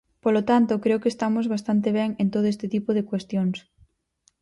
Polo tanto, creo que estamos bastante ben en todo este tipo de cuestións.